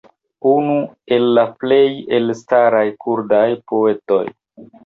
unu el la plej elstaraj kurdaj poetoj